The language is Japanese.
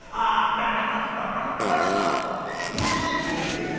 なかなかなかお面白い人やで。